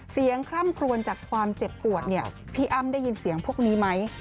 คร่ำครวนจากความเจ็บปวดเนี่ยพี่อ้ำได้ยินเสียงพวกนี้ไหม